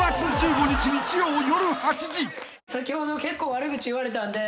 先ほど結構悪口言われたんで。